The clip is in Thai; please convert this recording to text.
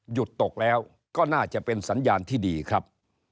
หยุดตกแล้วก็น่าจะเป็นสัญญาณที่ดีครับ